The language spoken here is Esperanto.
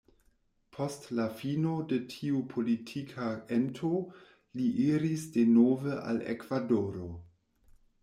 Post la fino de tiu politika ento li iris denove al Ekvadoro.